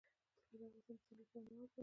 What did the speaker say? طلا د افغانستان د صنعت لپاره مواد برابروي.